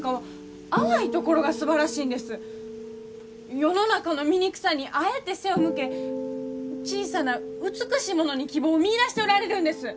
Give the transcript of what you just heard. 世の中の醜さにあえて背を向け小さな美しいものに希望を見いだしておられるんです！